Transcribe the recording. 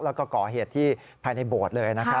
แล้วก็ก่อเหตุที่ภายในโบสถ์เลยนะครับ